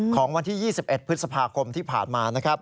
ของวันที่๒๑พฤษภาคมที่ผ่านมา